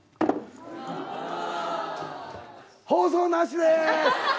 放送なしでーす！